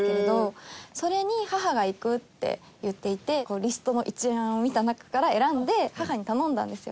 それに母が行くって言っていてリストの一覧を見た中から選んで母に頼んだんですよ。